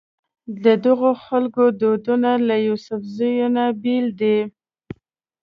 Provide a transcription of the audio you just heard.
ددغو خلکو دودونه له یوسفزو نه بېل دي.